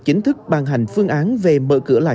chính thức ban hành phương án về mở cửa lại